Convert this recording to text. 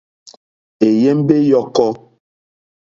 Èyémbé ǃyɔ́kɔ́.